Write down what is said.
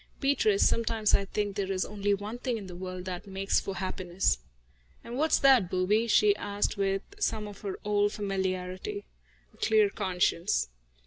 "Beatrice, sometimes I think that there is only one thing in the world that makes for happiness." "And what's that, booby?" she asked, with some of her old familiarity. "A clear conscience."